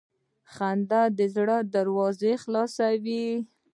• خندا د زړه دروازه خلاصوي.